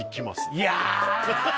いや。